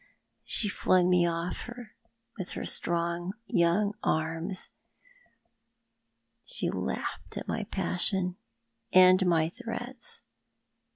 She flung me ofif with her strong young arms. She laughed at my passion and my threats.